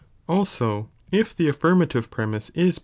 * Also if Hie affirmative premise is 5.